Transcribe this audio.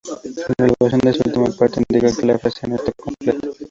La elevación de esta última parte indica que la frase no está completa.